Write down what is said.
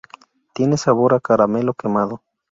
Tiene sabor a caramelo quemado.